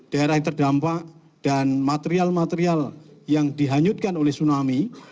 daerah yang terdampak dan material material yang dihanyutkan oleh tsunami